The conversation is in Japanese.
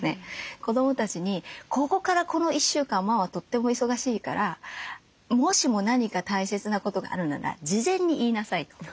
子どもたちに「ここからこの１週間ママとっても忙しいからもしも何か大切なことがあるなら事前に言いなさい」と。